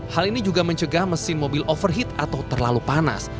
hal ini juga mencegah mesin mobil overheat atau terlalu panas